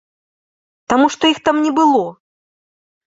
Таму што іх там не было!